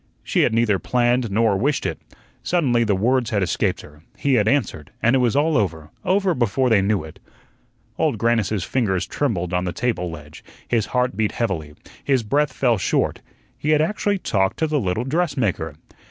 She had neither planned nor wished it. Suddenly the words had escaped her, he had answered, and it was all over over before they knew it. Old Grannis's fingers trembled on the table ledge, his heart beat heavily, his breath fell short. He had actually talked to the little dressmaker.